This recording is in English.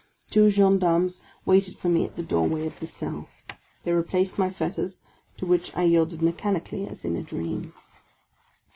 Two gendarmes waited for me at the door way of the cell ; they replaced my fetters, to which I yielded mechanically, as in a dream.